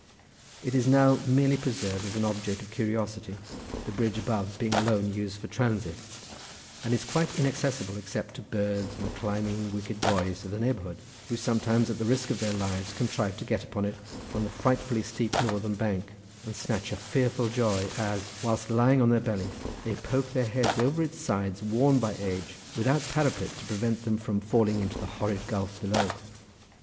It is now merely preserved as an object of curiosity, the bridge above being alone used for transit, and is quite inaccessible except to birds, and the climbing wicked boys of the neighbourhood, who sometimes at the risk of their lives contrive to get upon it from the frightfully steep northern bank, and snatch a fearful joy, as, whilst lying on their bellies, they poke their heads over its sides worn by age, without parapet to prevent them from falling into the horrid gulf below.